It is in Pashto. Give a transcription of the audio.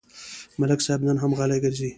ملک صاحب نن هم غلی ګرځي.